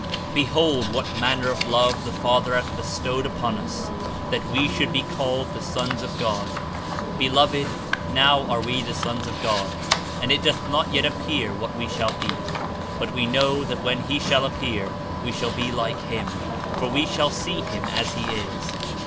'^ Behold what manner of love the Father hath bestowed upon us, that we should be called the sons of God/^ ''Be loved, now are we the sons of God, and it doth not yet appear zvhat we shall be: but we know that when he shall appear, zve shall be like him; for we shall see him as he isJ' (i.